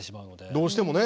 どうしてもね。